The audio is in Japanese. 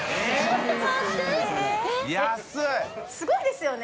すごいですよね